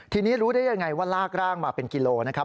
ทีนี้รู้ได้ยังไงว่าลากร่างมาเป็นกิโลนะครับ